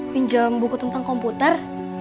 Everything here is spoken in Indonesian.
pinjem buku tentang komputer